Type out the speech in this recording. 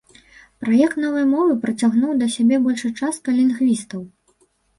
Праект новай мовы прыцягнуў да сябе большай часткай лінгвістаў.